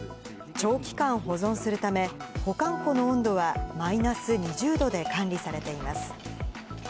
長期間保存するため、保管庫の温度はマイナス２０度で管理されています。